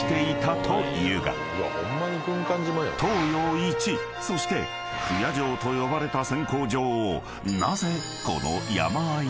［東洋一そして不夜城と呼ばれた選鉱場を］